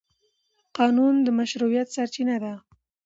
قانون د مشروعیت سرچینه ده.